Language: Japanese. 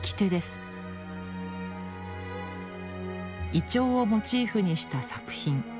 イチョウをモチーフにした作品。